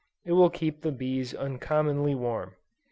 it will keep the bees uncommonly warm.